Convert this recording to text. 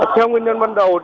theo nguyên nhân ban đầu